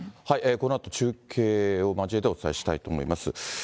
このあと中継を交えてお伝えしたいと思います。